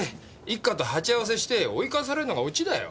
一課と鉢合わせして追い返されるのがオチだよ。